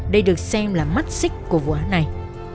đây được xem là mắt xích của vụ án này